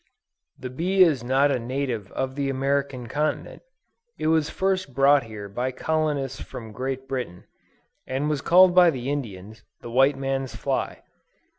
The bee is not a native of the American continent; it was first brought here by colonists from Great Britain, and was called by the Indians, the white man's fly.